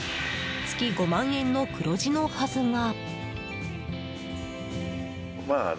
月５万円の黒字のはずが。